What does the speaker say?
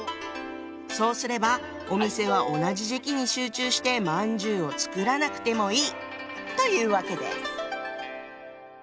そうすればお店は同じ時期に集中してまんじゅうを作らなくてもいいというわけです。